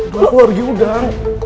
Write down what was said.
gue aku alergi udang